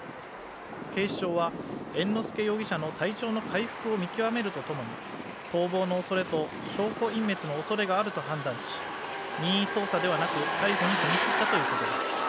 警視庁は猿之助容疑者の体調の回復を見極めるとともに逃亡のおそれと証拠隠滅のおそれがあると判断し任意捜査ではなく逮捕に踏み切ったということです。